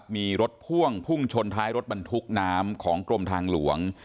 มีรถพ่วงพุ่งชนท้ายรถบรรทุกน้ำของกรมทางหลวง